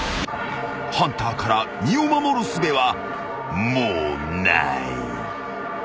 ［ハンターから身を守るすべはもうない］